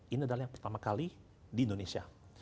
ini adalah yang pertama kali di indonesia